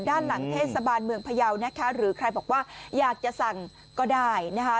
ด้านหลังเทศบาลเมืองพยาวนะคะหรือใครบอกว่าอยากจะสั่งก็ได้นะคะ